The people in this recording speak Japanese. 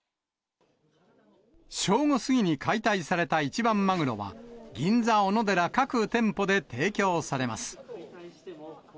正午過ぎに解体された一番マグロは、銀座おのでら各店舗で提供されます。